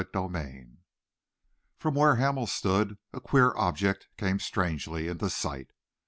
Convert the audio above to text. CHAPTER XII From where Hamel stood a queer object came strangely into sight.